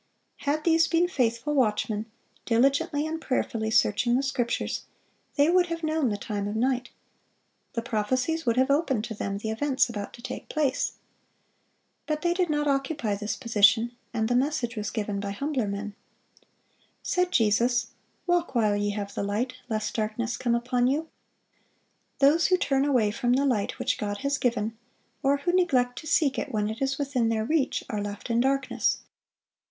Had these been faithful watchmen, diligently and prayerfully searching the Scriptures, they would have known the time of night; the prophecies would have opened to them the events about to take place. But they did not occupy this position, and the message was given by humbler men. Said Jesus, "Walk while ye have the light, lest darkness come upon you."(508) Those who turn away from the light which God has given, or who neglect to seek it when it is within their reach, are left in darkness.